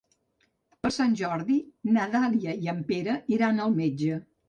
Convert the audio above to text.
Per Sant Jordi na Dàlia i en Pere iran al metge.